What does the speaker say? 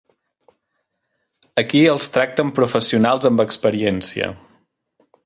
Aquí els tracten professionals amb experiència.